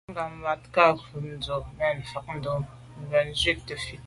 Njag ghammatat kà nkum ndùs’a nèn mfan bon ngab bo tswe fite là.